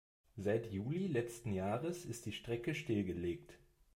Seit Juli letzten Jahres ist die Strecke stillgelegt.